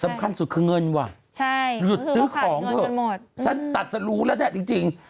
สำคัญสุดคือเงินว่ะหยุดซื้อของเถอะฉันตัดสรูแล้วเนี่ยจริง